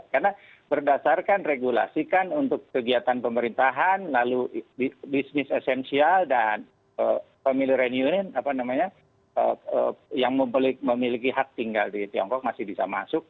karena berdasarkan regulasi kan untuk kegiatan pemerintahan lalu bisnis esensial dan pemilihan union apa namanya yang memiliki hak tinggal di tiongkok masih bisa masuk